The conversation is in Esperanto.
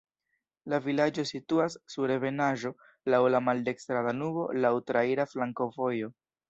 La vilaĝo situas sur ebenaĵo, laŭ la maldekstra Danubo, laŭ traira flankovojo.